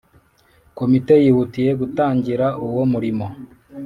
Komite yihutiye gutangira uwo murimo,